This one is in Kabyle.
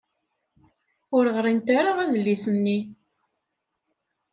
Ur ɣrint ara adlis-nni.